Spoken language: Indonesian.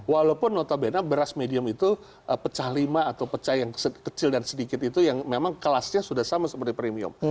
walaupun notabene beras medium itu pecah lima atau pecah yang kecil dan sedikit itu yang memang kelasnya sudah sama seperti premium